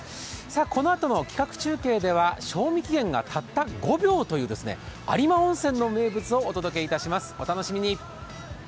このあとの企画中継では、賞味期限がたったの５秒という有馬温泉の名物をお届けいたします、お楽しみに。